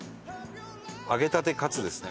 揚げたてカツですね。